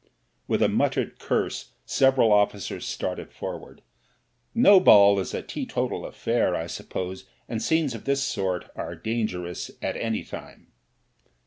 With a muttered curse several officers started for ward ; no ball is a teetotal affair, I suppose, and scenes of this sort are dangerous at any time.